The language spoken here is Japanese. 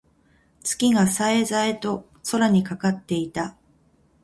月が冴え冴えと空にかかっていた。